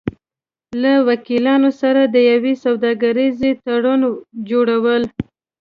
-له وکیلانو سره د یو سوداګریز تړون جوړو ل